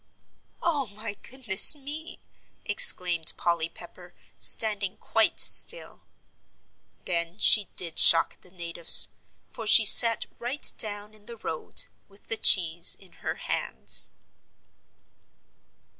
"Oh, my goodness me!" exclaimed Polly Pepper, standing quite still. Then she did shock the natives, for she sat right down in the road, with the cheese in her hands.